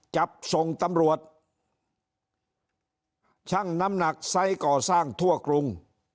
จับส่งตำรวจช่างน้ำหนักไซส์ก่อสร้างทั่วกรุง